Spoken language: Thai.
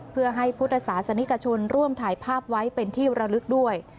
เพื่อให้พุทธศาสนิกชนร่วมถ่ายภาพไว้เป็นที่ระลึกด้วย